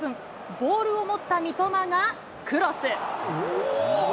ボールを持った三笘がクロス。